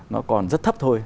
nó còn rất thấp thôi